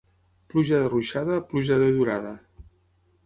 Pluja de ruixada, pluja de durada.